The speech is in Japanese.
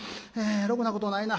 ろくなことないな。